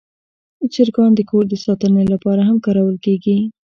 چرګان د کور د ساتنې لپاره هم کارول کېږي.